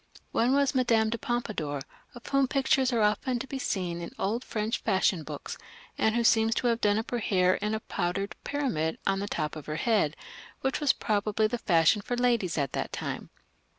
One was the Madame de Pompadour, of whom pictures are often to be seen in old French fashion books, and who seems to have done up her hair in a powdered pyramid on the top of her head, which was probably the fashion for ladies of that time.